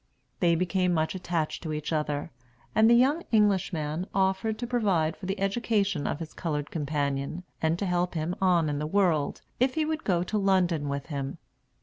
They became much attached to each other; and the young Englishman offered to provide for the education of his colored companion, and to help him on in the world, if he would go to London with him.